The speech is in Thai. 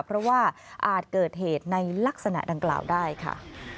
เพราะว่าอาจเกิดเหตุในลักษณะดังกล่าวได้ค่ะ